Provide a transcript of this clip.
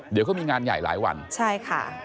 เดี๋ยวเขามีงานใหญ่หลายวันใช่ค่ะ